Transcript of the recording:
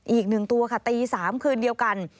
อีก๑ตัวค่ะตี๓คืนเดียวกัน